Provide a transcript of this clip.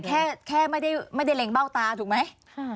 แค่แค่ไม่ได้เล็งเบ้าตาถูกไหม